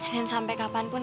dan sampai kapanpun